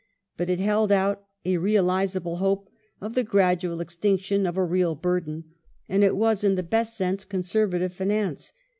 But it held out a realizable hope of the gradual extinction of a real burden, and it was in the best sense Conservative finance.